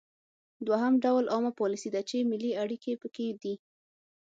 دوهم ډول عامه پالیسي ده چې ملي اړیکې پکې دي